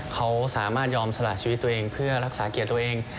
เขาสามารถยอมสละชีวิตตัวเองเพื่อรักษาเกียรติตัวเอง